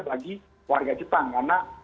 bagi warga jepang karena